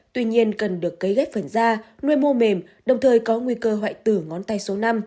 tuy nhiên cần được cấy ghép phần da nuôi mô mềm đồng thời có nguy cơ hoại tử ngón tay số năm